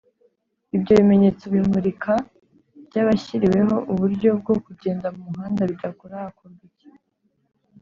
iyo ibimenyetso bimurika byashyiriweho uburyo bwo kugenda mumuhanda bidakora hakorwa iki